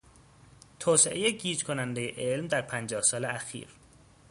توسعهی گیج کنندهی علم در پنجاه سال اخیر